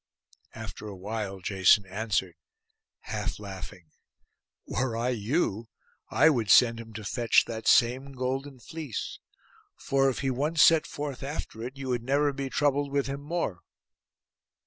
After awhile Jason answered, half laughing, 'Were I you, I would send him to fetch that same golden fleece; for if he once set forth after it you would never be troubled with him more.